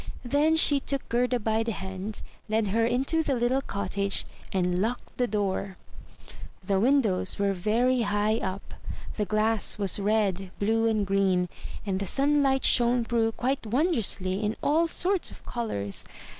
Then she took Gerda by the hand, led her into the little cottage, and locked the door. The windows were very high up; the glass was red, blue, and green, and the simlight shone through quite wondrously in all sorts of colors.